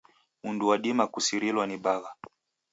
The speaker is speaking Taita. Mndu wadima kusirilwa ni bagha.